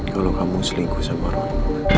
kalau kamu selingkuh sama orang